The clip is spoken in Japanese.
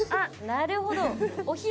なるほど。